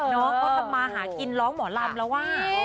น้องเขาทำมาหากินร้องหมอลำแล้วว่า